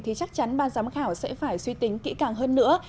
thì chắc chắn ban giám khảo sẽ phải suy tính kỹ càng hơn nữa